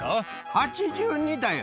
８２だよ。